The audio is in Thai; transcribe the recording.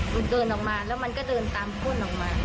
มันเดินออกมาแล้วมันก็เดินตามพ่นออกมา